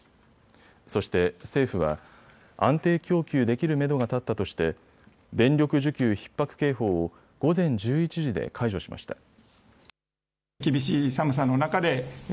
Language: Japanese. そして政府は安定供給できるめどが立ったとして電力需給ひっ迫警報を午前１１時で解除しました。